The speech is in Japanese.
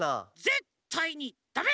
ぜったいにだめ！